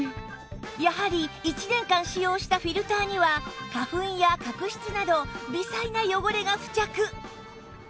やはり１年間使用したフィルターには花粉や角質など微細な汚れが付着